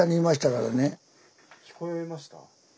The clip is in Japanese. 聞こえました？